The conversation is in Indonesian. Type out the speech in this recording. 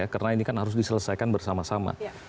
karena ini kan harus diselesaikan bersama sama